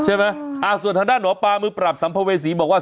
ใช่ไหมอ่าส่วนทางด้านหมอปลามือปราบสัมภเวษีบอกว่า